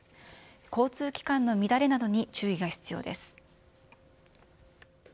交通機関の乱れなどに注意が必要です。